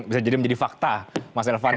bisa jadi menjadi fakta mas elvan